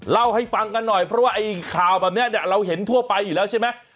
เล่าให้ฟังกันหน่อยเพราะว่าไอ้ข่าวแบบนี้เนี่ยเราเห็นทั่วไปอยู่แล้วใช่ไหม